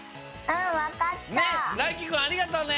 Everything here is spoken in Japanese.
ありがとね！